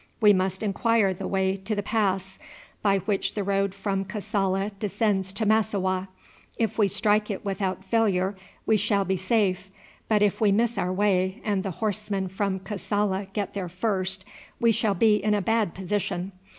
We must inquire the way to the pass by which the road from Kassala descends to Massowah. If we strike it without failure we shall be safe; but if we miss our way, and the horsemen from Kassala get there first, we shall be in a bad position.